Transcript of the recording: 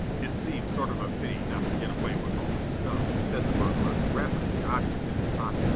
"It seems sort of a pity not to get away with all this stuff," said the burglar, rattling the objects in his pocket.